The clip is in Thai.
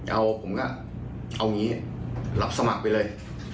เอาผมก็เอาอย่างงี้หลับสมัครไปเลย